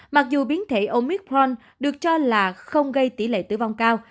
mặc dù biến thể omicron được cho là không gây tỷ lệ tử vong cao